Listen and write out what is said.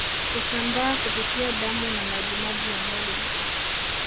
Husambaa kupitia damu na majimaji ya mwili